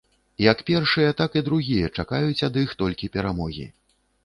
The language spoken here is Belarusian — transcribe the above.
Як першыя, так і другія чакаюць ад іх толькі перамогі.